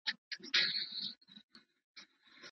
شاه حسین د دغې کورنۍ تر ټولو کمزوری پاچا و.